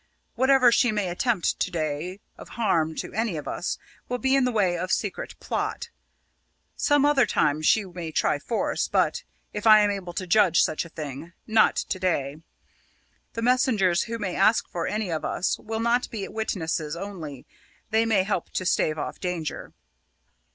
Whatever she may attempt to day, of harm to any of us, will be in the way of secret plot. Some other time she may try force, but if I am able to judge such a thing not to day. The messengers who may ask for any of us will not be witnesses only, they may help to stave off danger."